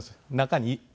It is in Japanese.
中に。